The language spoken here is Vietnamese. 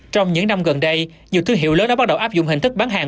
trong những năm gần đây nhiều thương hiệu lớn đã bắt đầu áp dụng hình thức bán hàng